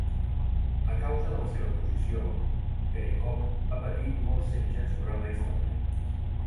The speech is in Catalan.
A causa de la seva posició, Perekop va patir molts setges durant la Història.